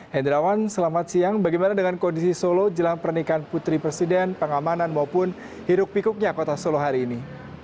hendrawan selamat siang bagaimana dengan kondisi solo jelang pernikahan putri presiden pengamanan maupun hiruk pikuknya kota solo hari ini